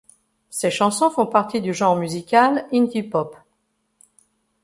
Ses chansons font partie du genre musical indie pop.